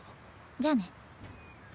じゃあね。